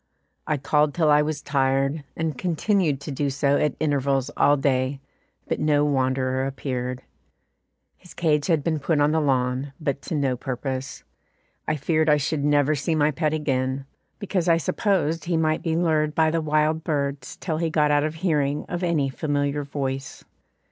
I called till I was tired, and continued to do so at intervals all day, but no wanderer appeared. His cage had been put on the lawn, but to no purpose. I feared I should never see my pet again, because I supposed he might be lured by the wild birds till he got out of hearing of any familiar voice.